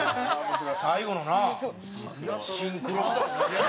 最後のなシンクロ。